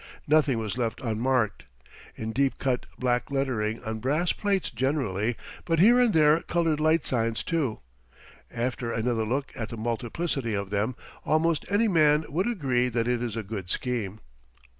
Nothing was left unmarked in deep cut black lettering on brass plates generally, but here and there colored light signs, too. After another look at the multiplicity of them, almost any man would agree that it is a good scheme.